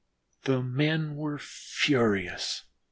The men were furious.